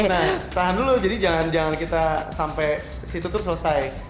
nah tahan dulu jadi jangan kita sampai situ tuh selesai